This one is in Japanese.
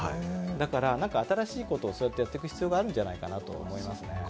だから新しいことをそうやってやっていく必要があるんじゃないかなと思いますね。